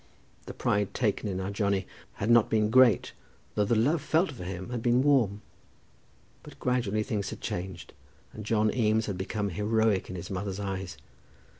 The pride taken in our Johnny had not been great, though the love felt for him had been warm. But gradually things had changed, and John Eames had become heroic in his mother's eyes.